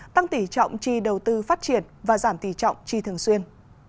tăng tỷ trọng chi đầu tư phát triển và giảm tỷ trọng chi thường xuyên